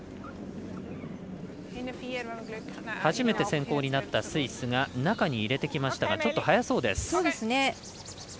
初めて先攻になったスイスが中に入れてきましたがちょっと速そうです。